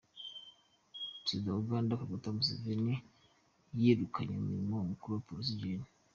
Perezida wa Uganda Kaguta Museveni yirukanye ku mirimo umukuru wa Polisi, Gen.